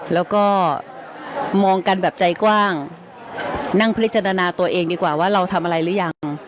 แล้วก็มองกันแบบใจกว้างนั่งพิจารณาตัวเองดีกว่าว่าเราทำอะไรหรือยัง